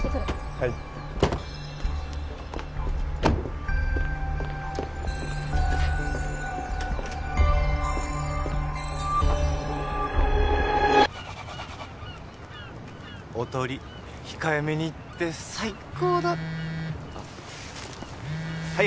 はいおとり控えめに言って最高だはい